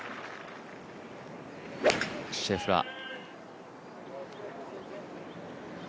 シェフラー。